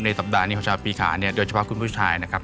สัปดาห์นี้ของชาวปีขาเนี่ยโดยเฉพาะคุณผู้ชายนะครับ